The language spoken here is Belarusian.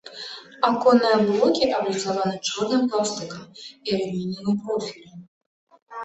Аконныя блокі абліцаваны чорным пластыкам і алюмініевым профілем.